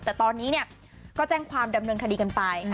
แต่ตอนนี้ก็แจ้งความดำเนินคดีกันไป